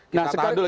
kita tahan dulu ya